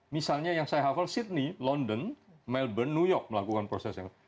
misalnya yang saya hafal sydney london melbourne new york melakukan proses yang